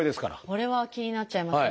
これは気になっちゃいますね。